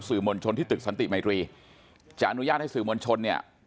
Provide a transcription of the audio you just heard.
มวลชนที่ตึกสันติมัยตรีจะอนุญาตให้สื่อมวลชนเนี่ย